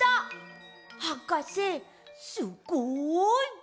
はかせすごい！